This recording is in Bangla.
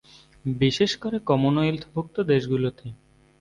বিশেষ করে কমনওয়েলথ ভুক্ত দেশগুলোতে।